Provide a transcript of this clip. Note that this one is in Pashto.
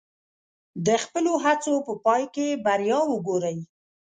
د خپلو هڅو په پای کې بریا وګورئ.